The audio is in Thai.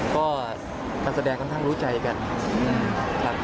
ก็ทางแสดงค่อนข้างรู้ใจอะค่ะ